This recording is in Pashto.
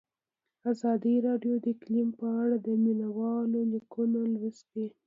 ازادي راډیو د اقلیم په اړه د مینه والو لیکونه لوستي.